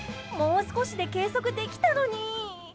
もう少しで計測できたのに。